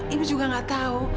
ibu juga nggak tahu